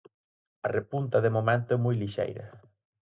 A repunta de momento é moi lixeira.